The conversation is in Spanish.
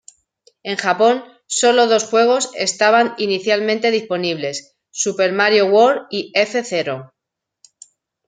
En Japón, solo dos juegos estaban inicialmente disponibles: "Super Mario World" y "F-Zero".